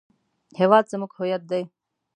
هېواد زموږ هویت دی